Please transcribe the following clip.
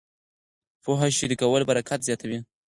پوهه شریکول برکت زیاتوي.